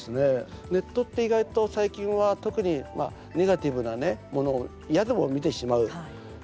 ネットって意外と最近は特にネガティブなね、ものを嫌でも見てしまう。